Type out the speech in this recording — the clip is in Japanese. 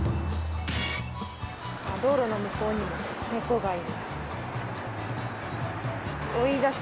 道路の向こうに猫がいます。